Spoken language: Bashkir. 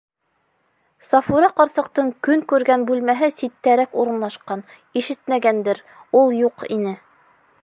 Сафура ҡарсыҡтың көн күргән бүлмәһе ситтәрәк урынлашҡан, ишетмәгәндер, ул юҡ ине.